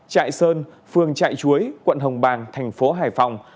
trại sơn phường trại chuối quận hồng bàng thành phố hải phòng